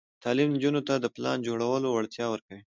تعلیم نجونو ته د پلان جوړولو وړتیا ورکوي.